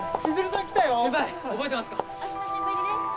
先輩覚えてますか？